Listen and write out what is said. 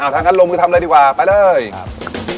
อ่ะทั้งค่ะลงมือทำเลยดีกว่าไปเลยครับ